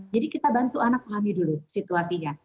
kita bantu anak pahami dulu situasinya